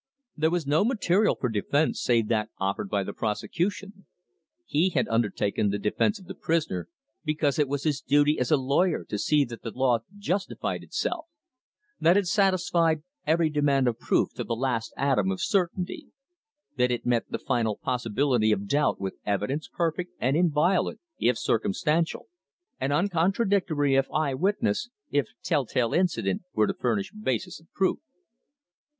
There was no material for defence save that offered by the prosecution. He had undertaken the defence of the prisoner because it was his duty as a lawyer to see that the law justified itself; that it satisfied every demand of proof to the last atom of certainty; that it met the final possibility of doubt with evidence perfect and inviolate if circumstantial, and uncontradictory if eye witness, if tell tale incident, were to furnish basis of proof.